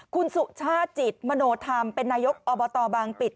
คุณสุชาติจิตมโนธรรมเป็นนายกอบตบางปิด